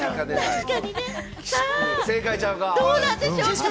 さぁ、どうなんでしょうか？